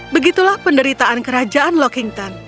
begitulah penderitaan kerajaan lockington